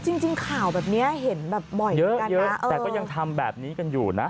จริงข่าวแบบนี้เห็นแบบบ่อยเยอะแต่ก็ยังทำแบบนี้กันอยู่นะ